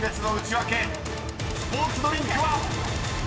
［スポーツドリンクは⁉］